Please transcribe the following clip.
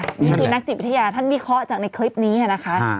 นี่คือนักจิตวิทยาท่านวิเคราะห์จากในคลิปนี้นะคะ